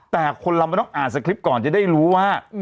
แต่คนเราไม่ต้องอ่านสคริปต์ก่อนจะได้รู้ว่า